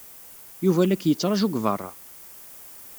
Yuba la k-yettṛaju deg beṛṛa.